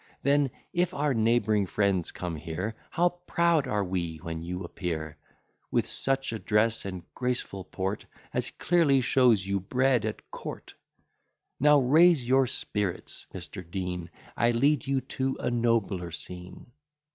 Then, if our neighbouring friends come here How proud are we when you appear, With such address and graceful port, As clearly shows you bred at court! Now raise your spirits, Mr. Dean, I lead you to a nobler scene.